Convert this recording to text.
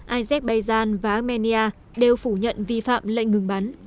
azerbaijan và armenia đều phủ nhận vi phạm lệnh ngừng bắn